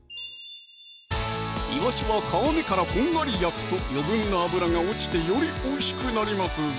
いわしは皮目からこんがり焼くと余分な脂が落ちてよりおいしくなりますぞ